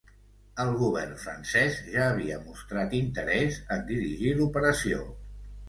El Govern francès ja havia mostrat interès en dirigir l'operació.